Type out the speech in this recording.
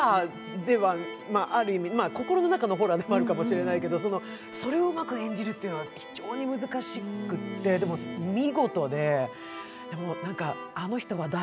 でも、心の中でのホラーではあるかもしれないけど、それをうまく演じるというのは非常に難しくてでも見事で、あの人は誰？